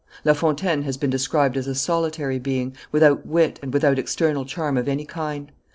La Fontaine has been described as a solitary being, without wit, and without external charm of any kind.